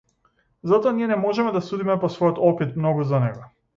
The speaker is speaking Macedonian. Затоа ние не можеме да судиме по својот опит многу за него.